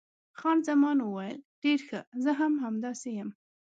خان زمان وویل، ډېر ښه، زه هم همداسې یم.